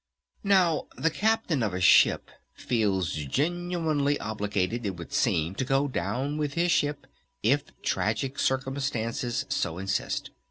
Now the Captain of a ship feels genuinely obligated, it would seem, to go down with his ship if tragic circumstances so insist.